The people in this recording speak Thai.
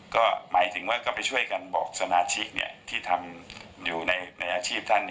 ก็หมายถึงว่าก็ไปช่วยกันบอกสมาชิกที่ทำอยู่ในอาชีพท่าน